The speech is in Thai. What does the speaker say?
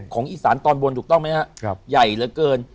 อีสานตอนบนถูกต้องไหมครับใหญ่เหลือเกิน